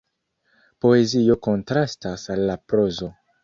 Poezio kontrastas al la prozo.